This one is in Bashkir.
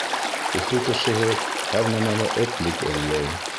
Өфө кешеһе һәр нәмәлә этлек эҙләй.